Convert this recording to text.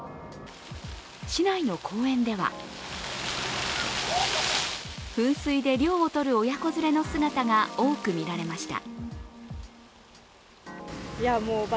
市内の公園では噴水で涼を取る親子連れの姿が多く見られました。